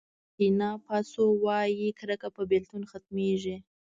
بورکېنا فاسو متل وایي کرکه په بېلتون ختمېږي.